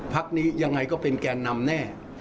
พักนี้ยังไงก็เป็นแกนนำแน่